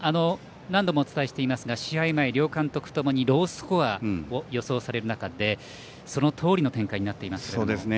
何度もお伝えしていますが試合前、両監督ともにロースコアを予想される中でそのとおりの展開になっています。